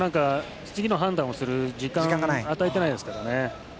次の判断をする時間を与えてないですよね。